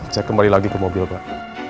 saya kembali lagi ke mobil pak